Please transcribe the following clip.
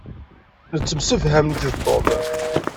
Nettemsefham nekk d Tom.